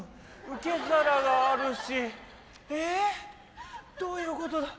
受け皿があるしえっどういうことだ